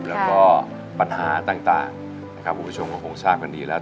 แล้วก็ปัญหาต่างนะครับคุณผู้ชมก็คงทราบกันดีแล้ว